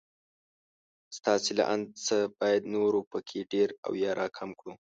ستاسې له انده څه بايد نور په کې ډېر او يا را کم کړو